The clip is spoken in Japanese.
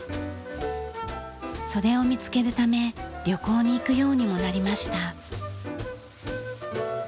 それを見つけるため旅行に行くようにもなりました。